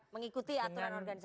mengikuti aturan organisasi